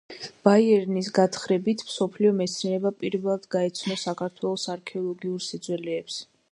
ბაიერნის გათხრებით მსოფლიო მეცნიერება პირველად გაეცნო საქართველოს არქეოლოგიურ სიძველეებს.